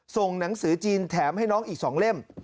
ส่งหนังสือจีนแถมให้น้องอีก๒เล่ม